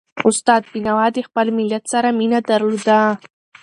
استاد بينوا د خپل ملت سره مینه درلوده.